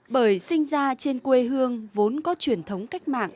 bởi sinh ra trên quê hương vốn có truyền thống cách mạng